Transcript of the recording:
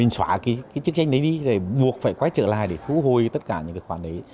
xóa cái chức danh đấy đi buộc phải quay trở lại để thu hồi tất cả những khoản đấy